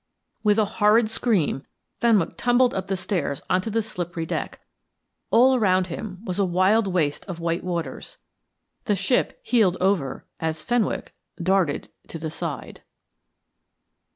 With a horrid scream, Fenwick tumbled up the stairs on to the slippery deck. All round him was a wild waste of white waters. The ship heeled over as Fenwick darted to the side....